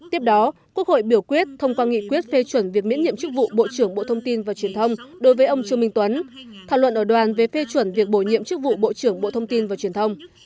tiếp đó quốc hội biểu quyết thông qua nghị quyết phê chuẩn việc miễn nhiệm chức vụ bộ trưởng bộ thông tin và truyền thông đối với ông trương minh tuấn thảo luận ở đoàn về phê chuẩn việc bổ nhiệm chức vụ bộ trưởng bộ thông tin và truyền thông